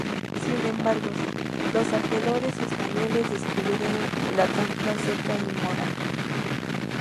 Sin embargo, los ojeadores españoles descubrieron la trampa cerca de Morano.